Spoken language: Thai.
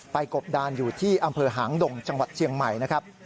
กบดานอยู่ที่อำเภอหางดงจังหวัดเชียงใหม่นะครับ